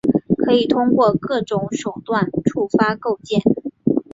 可以通过各种手段触发构建。